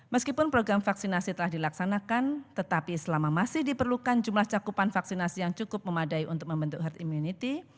meskipun program vaksinasi telah dilaksanakan tetapi selama masih diperlukan jumlah cakupan vaksinasi yang cukup memadai untuk membentuk herd immunity